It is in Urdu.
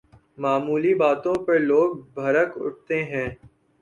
معمولی باتوں پر لوگ بھڑک اٹھتے ہیں۔